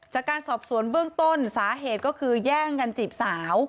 จากการสอบสวนเบื้องต้นสาเหตุก็คือแย่งกันจีบสาว